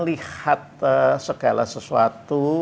lihat segala sesuatu